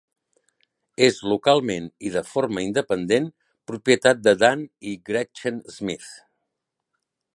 És localment i de forma independent propietat de Dan i Gretchen Smith.